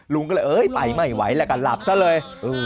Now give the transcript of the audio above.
ลุงก็เลยเอ้ยไปไม่ไหวแล้วก็หลับซะเลย